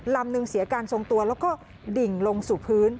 ลำนึงเสียการทรงตัวแล้วก็ดิ่งลงสู่พื้น